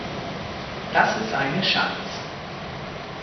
Das ist eine Chance.